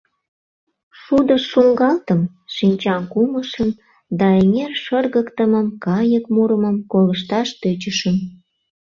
Шудыш шуҥгалтым, шинчам кумышым да эҥер шыргыктымым, кайык мурымым колышташ тӧчышым.